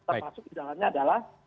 termasuk di dalamnya adalah